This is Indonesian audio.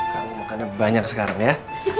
kang makannya banyak sekarang ya